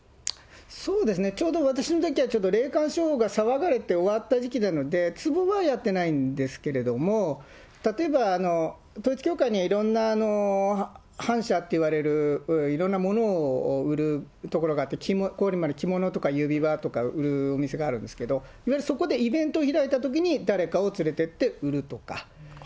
そうですね、ちょうど私のときは、ちょうど霊感商法が騒がれて、終わったころでしたので、つぼはやってなかったんですけれども、例えば、統一教会にはいろんな販社といわれるいろんなものを売るところがあって、着物とか指輪とか売るお店があるんですけど、いわゆるそこでイベントを開いたときに、誰かを連れてって売るとか。